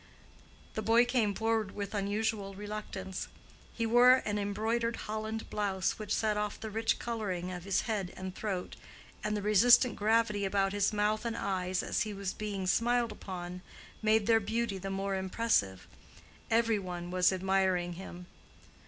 The boy came forward with unusual reluctance. He wore an embroidered holland blouse which set off the rich coloring of his head and throat, and the resistant gravity about his mouth and eyes as he was being smiled upon, made their beauty the more impressive. Every one was admiring him.